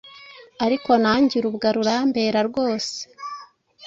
Ariko nange urubwa rurambera rwose!